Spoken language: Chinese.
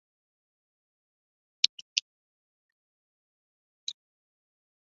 阿什伯顿是位于英国英格兰西南部德文郡的一座小镇。